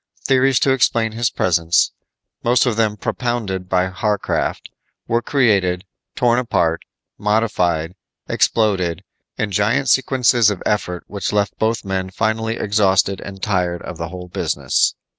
Theories to explain his presence most of them propounded by Warcraft were created, torn apart, modified, exploded, in giant sequences of effort which left both men finally exhausted and tired of the whole business.